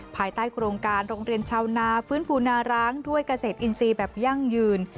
ภายใต้โครงการโรงเรียนชาวนาฟื้นฟูนาร้างด้วยเกษตรอินทรีย์แบบยั่งยืน